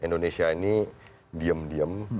indonesia ini diam diam